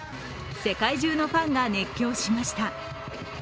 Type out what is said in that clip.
世界中のファンが熱狂しました。